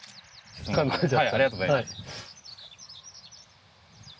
ありがとうございます。